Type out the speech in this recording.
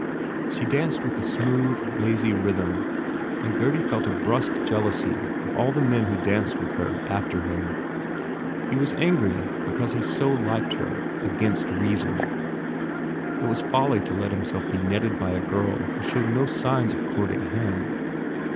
She danced with a smooth, lazy rhythm and Gurdy felt a brusque jealousy of all the men who danced with her, after him. He was angry because he so soon liked her, against reason. It was folly to let himself be netted by a girl who showed no signs of courting him.